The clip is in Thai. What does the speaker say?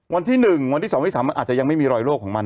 วันที่๒วันที่๒ที่๓มันอาจจะยังไม่มีรอยโรคของมัน